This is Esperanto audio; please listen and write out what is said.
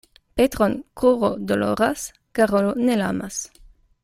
Petron kruro doloras, Karolo ne lamas.